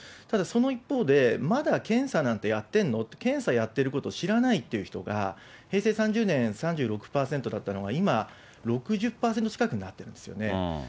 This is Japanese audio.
ただその一方で、まだ検査なんてやってんの？って、検査やってることを知らないっていう人が、平成３０年３６％だったのが、今、６０％近くになってるんですよね。